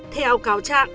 theo cáo trạng